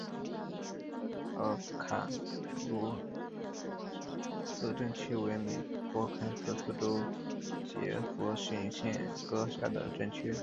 奥斯卡卢萨镇区为美国堪萨斯州杰佛逊县辖下的镇区。